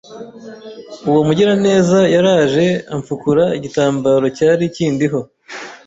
uwo mugiraneza yraje amfukura igitambaro cyari kindiho